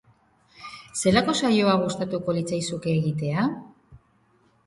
Zelako saioa gustatuko litzaizuke egitea?